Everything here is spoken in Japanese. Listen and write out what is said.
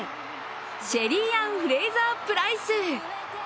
シェリーアン・フレイザー・プライス。